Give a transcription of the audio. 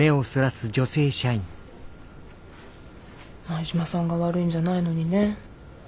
前島さんが悪いんじゃないのにね。